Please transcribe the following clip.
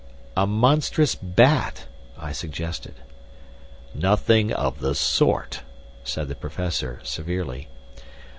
"A monstrous bat!" I suggested. "Nothing of the sort," said the Professor, severely.